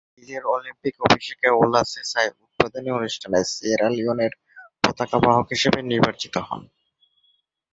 নিজের অলিম্পিক অভিষেকে ওলা সেসায়, উদ্বোধনী অনুষ্ঠানে সিয়েরা লিওনের পতাকা বাহক হিসাবে নির্বাচিত হন।